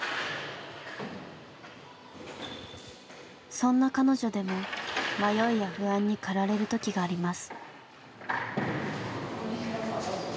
そんな彼女でも迷いや不安に駆られる時があります。